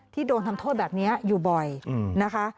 โดนทำโทษแบบนี้อยู่บ่อยนะคะ